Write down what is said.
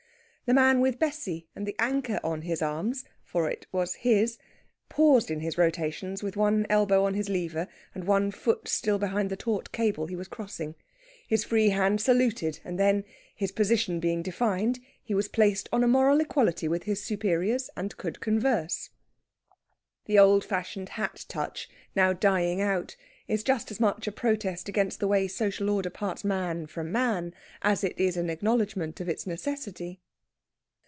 The man with Bessie and the anchor on his arms for it was his paused in his rotations with one elbow on his lever, and one foot still behind the taut cable he was crossing. His free hand saluted; and then, his position being defined, he was placed on a moral equality with his superiors, and could converse. The old fashioned hat touch, now dying out, is just as much a protest against the way social order parts man from man as it is an acknowledgment of its necessity.